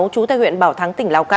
chú tây huyện bảo thắng tỉnh lào cai